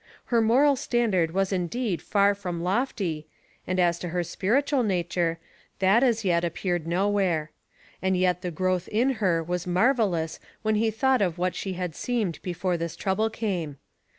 Her moral standard was indeed far from lofty, and as to her spiritual nature, that as yet appeared nowhere. And yet the growth in her was marvellous when he thought of what she had seemed before this trouble came.